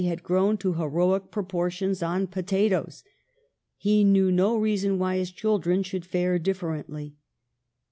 had grown to heroic pro portions on potatoes ; he knew no reason why his children should fare differently.